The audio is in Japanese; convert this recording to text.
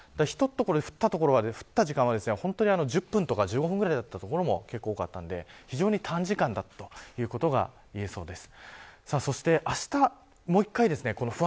降った所は降った時間は１０分とか１５分くらいの所も多かったので非常に短時間だったということは言えそうです。